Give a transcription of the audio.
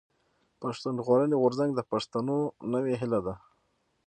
پښتون ژغورني غورځنګ د پښتنو نوې هيله ده.